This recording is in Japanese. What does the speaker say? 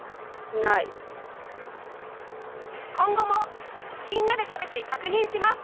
今後もみんなで食べて確認します。